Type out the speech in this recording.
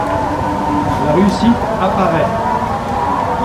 La réussite apparait.